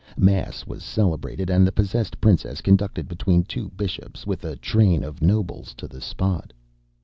Mass was celebrated, and the possessed princess conducted between two bishops, with a train of nobles, to the spot.